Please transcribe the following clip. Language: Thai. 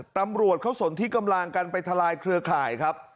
ตำรวจเขาสนที่กำลังกันไปทลายเครือข่ายครับ